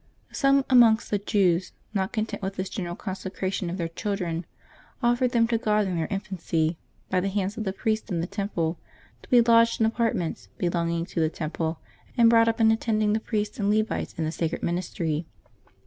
Some amongst the Jews, not content with this general consecration of their children, offered them to God in their infancy, by the hands of the priests in the Temple, to be lodged in apart ments belonging to the Temple, and brought up in attend ing the priests and Levites in the sacred ministry.